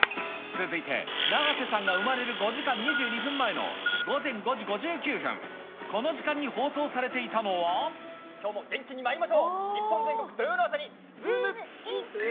続いて、永瀬さんが生まれる５時間２２分前の午前５時５９分、この時間にきょうも元気にまいりましょう、日本全国土曜の朝に、ズームイン！！